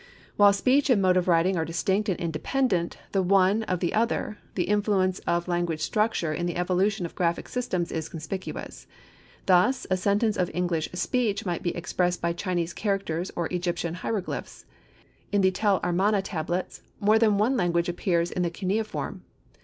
While speech and mode of writing are distinct and independent, the one of the other, the influence of language structure in the evolution of graphic systems is conspicuous. Thus a sentence of English speech might be expressed by Chinese characters or Egyptian hieroglyphics. In the Tel Armana tablets, more than one language appears in the cuneiform.